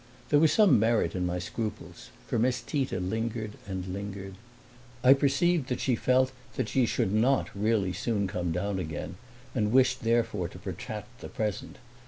There was some merit in my scruples, for Miss Tita lingered and lingered: I perceived that she felt that she should not really soon come down again and wished therefore to protract the present.